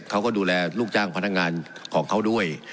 เขาก็ดูแลลูกจ้างพนักงานของเขาด้วย